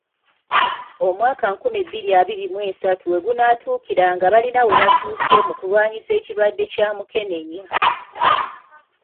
Omwaka nkumi bbiri abiri mw'essatu we gunaatuukira nga balina we batuuse mu kulwanyisa ekirwadde kya Mukenenya.